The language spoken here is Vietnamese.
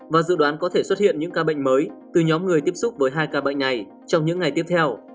và dự đoán có thể xuất hiện những ca bệnh mới từ nhóm người tiếp xúc với hai ca bệnh này trong những ngày tiếp theo